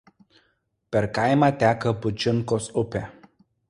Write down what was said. Per kaimą teka Bučinkos upė.